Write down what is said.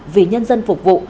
vì nhân dân phục vụ